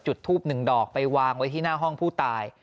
ทูบหนึ่งดอกไปวางไว้ที่หน้าห้องผู้ตาย